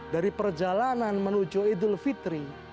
dari perjalanan menuju idul fitri